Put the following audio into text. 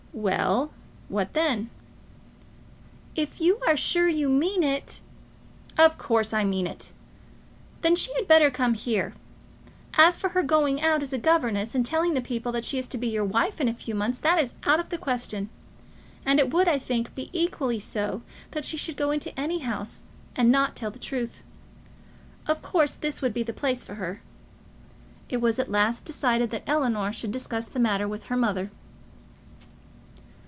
"Well; what then?" "If you are sure you mean it " "Of course I mean it." "Then she had better come here. As for her going out as a governess, and telling the people that she is to be your wife in a few months, that is out of the question. And it would, I think, be equally so that she should go into any house and not tell the truth. Of course, this would be the place for her." It was at last decided that Ellinor should discuss the matter with her mother.